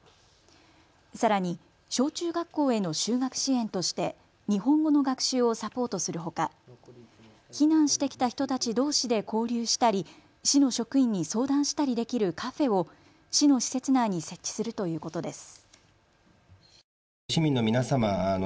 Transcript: さらに小中学校への就学支援として日本語の学習をサポートするほか避難してきた人たちどうしで交流したり市の職員に相談したりできるカフェを市の施設内に設置するということです。